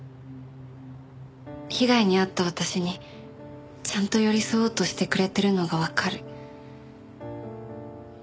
被害に遭った私にちゃんと寄り添おうとしてくれてるのがわかる。